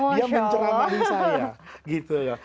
dia menceramahi saya gitu ya